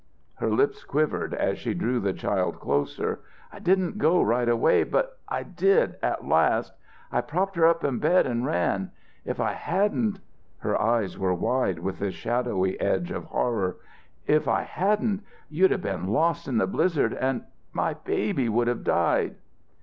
Her lips quivered as she drew the child closer. "I didn't go right away but I did at last. I propped her up in bed and ran. If I hadn't " Her eyes were wide with the shadowy edge of horror, "if I hadn't you'd have been lost in the blizzard and my baby would have died!"